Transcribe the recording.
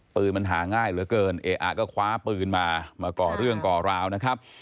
ปืนมันหาง่ายเหลือเกินเออะก็คว้าปืนมามาก่อเรื่องก่อราวนะครับ